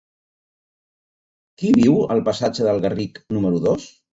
Qui viu al passatge del Garric número dos?